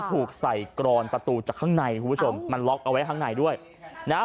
ถูกใส่กรอนประตูจากข้างในคุณผู้ชมมันล็อกเอาไว้ข้างในด้วยนะฮะ